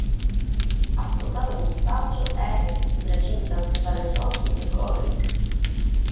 Ascoltato il messaggio, Eric si precipita a salvare Sookie e Godric.